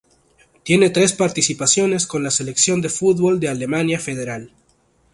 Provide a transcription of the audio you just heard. Tiene tres participaciones con la selección de fútbol de Alemania Federal.